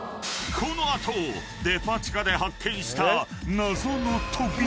［この後デパ地下で発見した］